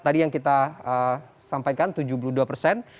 tadi yang kita sampaikan tujuh puluh dua persen